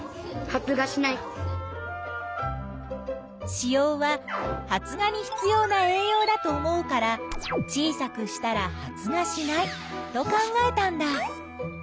子葉は発芽に必要な栄養だと思うから小さくしたら発芽しないと考えたんだ。